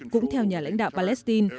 cũng theo nhà lãnh đạo palestine